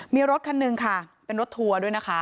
มีรถคันหนึ่งค่ะเป็นรถทัวร์ด้วยนะคะ